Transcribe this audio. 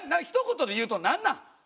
ひと言で言うとなんなん？